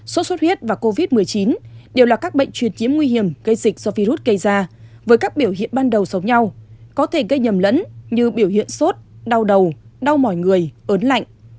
sốt xuất huyết và covid một mươi chín đều là các bệnh truyền nhiễm nguy hiểm gây dịch do virus gây ra với các biểu hiện ban đầu sống nhau có thể gây nhầm lẫn như biểu hiện sốt đau đầu đau mỏi người ớn lạnh